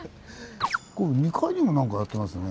２階にも何かやってますね。